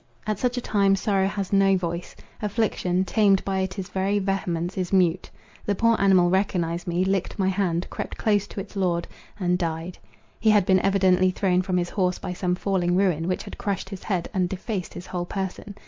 At such a time sorrow has no voice; affliction, tamed by its very vehemence, is mute. The poor animal recognised me, licked my hand, crept close to its lord, and died. He had been evidently thrown from his horse by some falling ruin, which had crushed his head, and defaced his whole person.